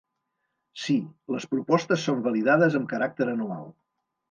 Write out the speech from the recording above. Sí, les propostes són validades amb caràcter anual.